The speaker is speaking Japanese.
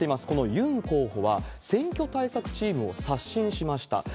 このユン候補は選挙対策チームを刷新しました。